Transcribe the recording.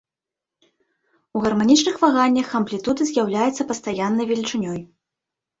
У гарманічных ваганнях амплітуда з'яўляецца пастаяннай велічынёй.